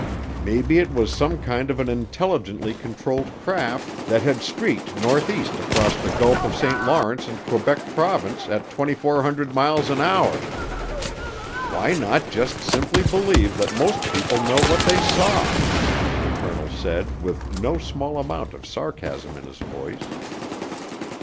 Maybe it was some kind of an intelligently controlled craft that had streaked northeast across the Gulf of St. Lawrence and Quebec Province at 2,400 miles an hour. "Why not just simply believe that most people know what they saw?" the colonel said with no small amount of sarcasm in his voice.